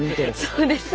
そうですね。